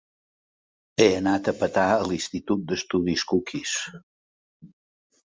He anat a petar a l'Institut d'Estudis Cookies.